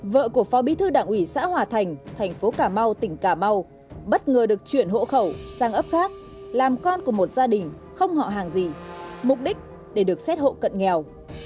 vợ của phó bí thư đảng ủy xã hòa thành thành phố cà mau tỉnh cà mau bất ngờ được chuyển hộ khẩu sang ấp khác làm con của một gia đình không họ hàng gì mục đích để được xét hộ cận nghèo